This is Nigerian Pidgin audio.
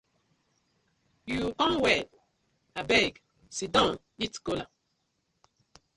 Yu com well, abeg siddon eat kola.